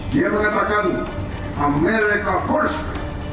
dia mengatakan amerika first